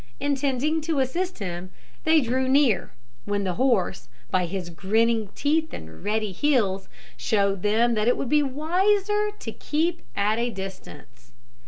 Intending to assist him, they drew near, when the horse, by his grinning teeth and ready heels, showed them that it would be wiser to keep at a distance.